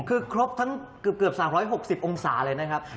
คือครบทั้งเกือบ๓๖๐องศาเลยนะครับ